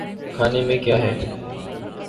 کھانے میں کیا ہے۔